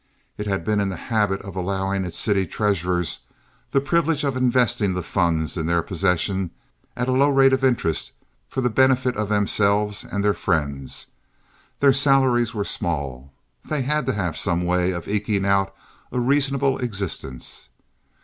It had been in the habit of allowing its city treasurers the privilege of investing the funds in their possession at a low rate of interest for the benefit of themselves and their friends. Their salaries were small. They had to have some way of eking out a reasonable existence.